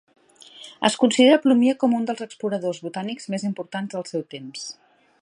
Es considera Plumier com un dels exploradors botànics més importants del seu temps.